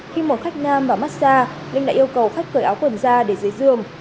khi một khách nam vào massage linh đã yêu cầu khách cởi áo quần ra để dưới giường